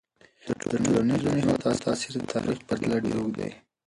د ټولنیزو نهادونو تاثیر د تاریخ په پرتله ډیر اوږد دی.